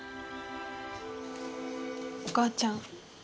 お母ちゃん